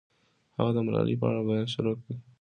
هغه د ملالۍ په اړه بیان شروع کړ.